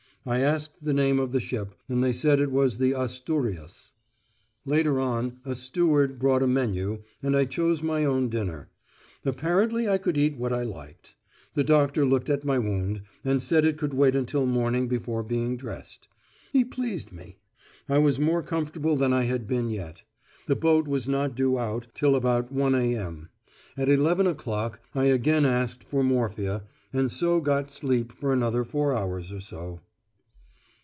I asked the name of the ship and they said it was the Asturias. Later on a steward brought a menu, and I chose my own dinner. Apparently I could eat what I liked. The doctor looked at my wound, and said it could wait until morning before being dressed; he pleased me. I was more comfortable than I had been yet. The boat was not due out till about 1.0 a.m. At eleven o'clock I again asked for morphia, and so got sleep for another four hours or so.